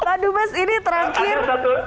aduh mas ini terakhir